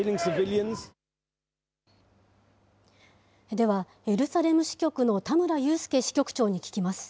では、エルサレム支局の田村佑輔支局長に聞きます。